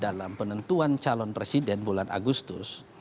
dalam penentuan calon presiden bulan agustus